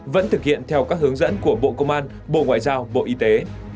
vẫn thực hiện theo các hướng dẫn của bộ công an bộ ngoại giao bộ y tế